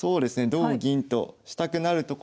同銀としたくなるところなんですが。